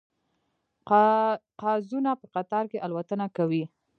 قازونه په قطار کې الوتنه کوي